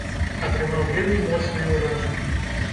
Атрымаў вельмі моцнае ўражанне.